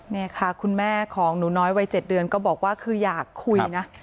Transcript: นี่ค่ะคุณแม่ของหนูน้อยวัย๗เดือนก็บอกว่าคืออยากคุยนะ